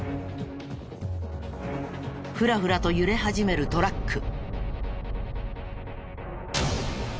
ふらふらと揺れ始めるトラック。